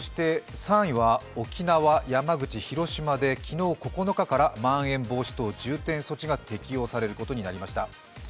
３位は沖縄、山口、広島で昨日９日からまん延防止等重点措置が適用されることになりました。